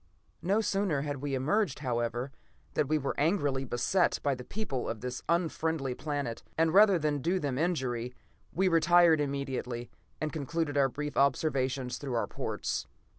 "No sooner had we emerged, however, than we were angrily beset by the people of this unfriendly planet, and rather than do them injury, we retired immediately, and concluded our brief observations through our ports.